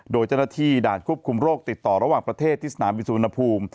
โดยเจ้าหน้าที่ด่านควบคุมโรคติดต่อระหว่างประเทศที่สนามบินสุวรรณภูมิ